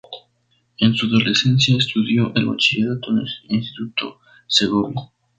En su adolescencia estudió el bachillerato en el Instituto de Segovia.